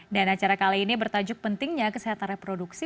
dan acara kali ini bertajuk pentingnya kesehatan reproduksi